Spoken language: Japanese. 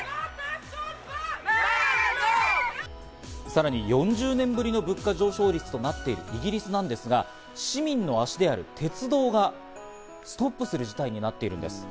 さらに４０年ぶりの物価上昇率となっているイギリスなんですが、市民の足である鉄道がストップする事態になっています。